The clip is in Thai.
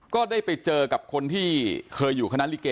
ก็ได้ไปเจอกับคนที่เคยอยู่คณะลิเก